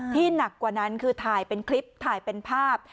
หนักกว่านั้นคือถ่ายเป็นคลิปถ่ายเป็นภาพ